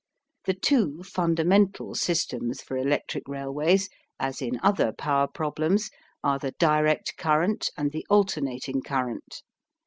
The two fundamental systems for electric railways, as in other power problems, are the direct current and the alternating current.